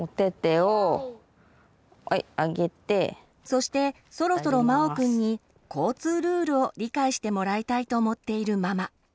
そしてそろそろまおくんに交通ルールを理解してもらいたいと思っているママ。